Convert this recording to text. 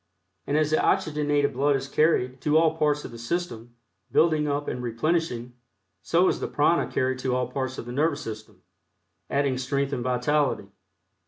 And as the oxygenated blood is carried to all parts of the system, building up and replenishing, so is the prana carried to all parts of the nervous system, adding strength and vitality.